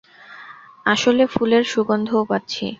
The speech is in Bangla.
আসলে ফুলের সুগন্ধও পাচ্ছি।